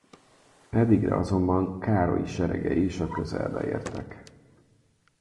Eddigre azonban Károlyi seregei is a közelbe értek.